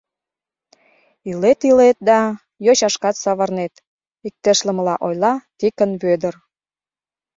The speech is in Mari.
Илет-илет да йочашкат савырнет, — иктешлымыла ойла Тикын Вӧдыр.